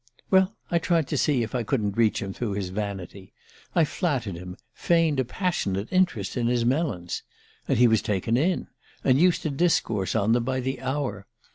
"Well, I tried to see if I couldn't reach him through his vanity. I flattered him, feigned a passionate interest in his melons. And he was taken in, and used to discourse on them by the hour.